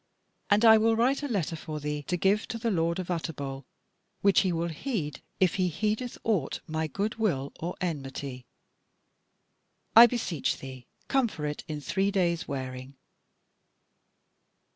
And I will write a letter for thee to give to the lord of Utterbol, which he will heed, if he heedeth aught my good will or enmity. I beseech thee come for it in three days wearing."